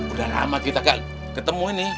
udah lama kita gak ketemu ini